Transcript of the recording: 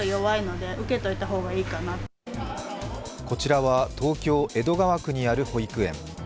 こちらは東京・江戸川区にある保育園。